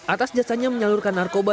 atas jasanya menyalurkan narkoba